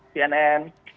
selamat pagi cnn